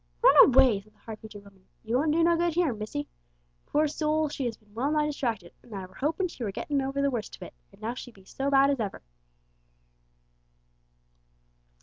"Run away," said the hard featured woman. "You won't do no good here, missy. Poor soul! she has been well nigh distracted, and I were hopin' she were gettin' over the worst of it, and now she be so bad as ever!"